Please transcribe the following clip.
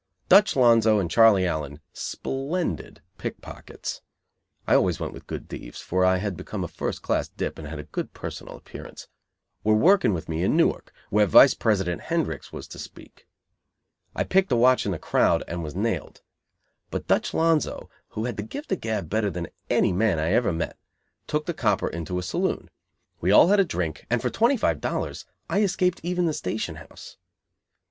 Dutch Lonzo and Charlie Allen, splendid pickpockets, (I always went with good thieves, for I had become a first class dip and had a good personal appearance) were working with me in Newark, where Vice President Hendricks was to speak. I picked a watch in the crowd, and was nailed. But Dutch Lonzo, who had the gift of gab better than any man I ever met, took the copper into a saloon. We all had a drink, and for twenty five dollars I escaped even the station house.